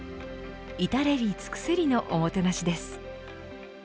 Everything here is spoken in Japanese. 至れり尽くせりのおもてなしです。